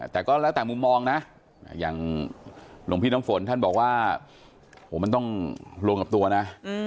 แต่ก็แล้วแต่มุมมองนะอย่างหลวงพี่น้ำฝนท่านบอกว่าโหมันต้องรวมกับตัวนะ